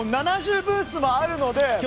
７０ブースもあるので。